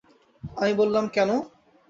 আমি বলিলাম, কেন?